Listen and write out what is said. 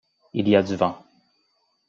Il y a du vent.